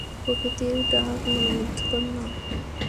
প্রকৃতির ডাক মনোমুগ্ধকর না?